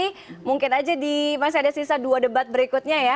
walaupun beda generasi mungkin aja di masih ada sisa dua debat berikutnya ya